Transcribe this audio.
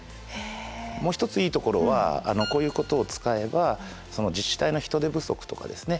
もう一ついいところはこういうことを使えば自治体の人手不足とかですね